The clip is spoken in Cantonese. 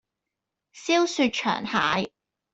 燒雪場蟹